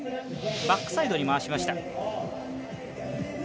バックサイドに回しました。